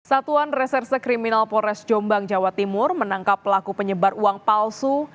satuan reserse kriminal polres jombang jawa timur menangkap pelaku penyebar uang palsu